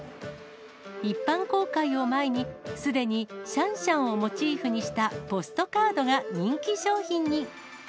一般公開を前に、すでにシャンシャンをモチーフにしたポストカードが人気商品に。